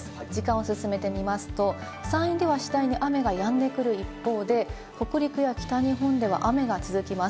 時間をすすめてみますと、山陰では次第に雨がやんでくる一方で、北陸や北日本では雨が続きます。